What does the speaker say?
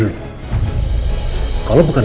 kalau bukan karena kecepatan lu